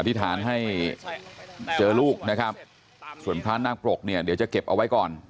ธิษฐานให้เจอลูกนะครับส่วนพระนาคปรกเนี่ยเดี๋ยวจะเก็บเอาไว้ก่อน